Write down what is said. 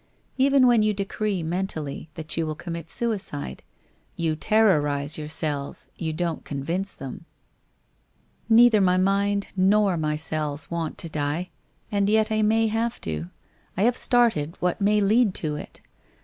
Even when you decree mentally that you will commit suicide, you terrorize your cells, you don't convince them. 414 WHITE ROSE OF WEARY LEAF Neither my mind nor my cells want to die. And yet I may have to. I have started what may lead to it.